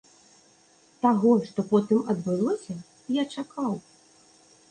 Таго, што потым адбылося, я чакаў.